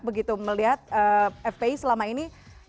begitu melihat fpi selama ini